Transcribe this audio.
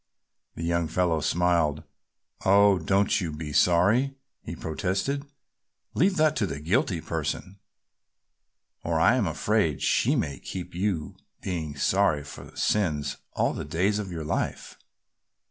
The young fellow smiled. "Oh, don't you be sorry," he protested, "leave that to the guilty person, or I am afraid she may keep you being sorry for her sins all the days of your life."